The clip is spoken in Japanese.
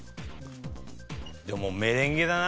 でもメレンゲだな。